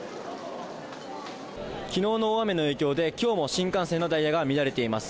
きのうの大雨の影響で、きょうも新幹線のダイヤが乱れています。